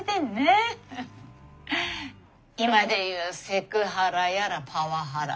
今で言うセクハラやらパワハラ。